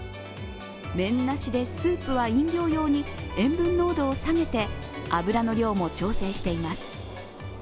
麺なしでスープは飲料用に、塩分濃度を下げて、油の量も調整しています。